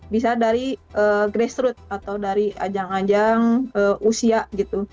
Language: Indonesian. bisa dari grassroot atau dari ajang ajang usia gitu